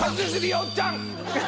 おっちゃん。